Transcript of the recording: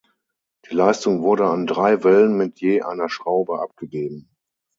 Die Leistung wurde an drei Wellen mit je einer Schraube abgegeben.